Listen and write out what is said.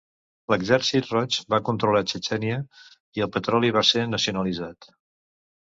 L'Exèrcit Roig va controlar Txetxènia i el petroli va ser nacionalitzat.